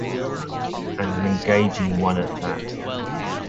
And an engaging one at that.